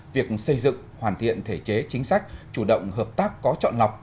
việc xây dựng hoàn thiện thể chế chính sách chủ động hợp tác có chọn lọc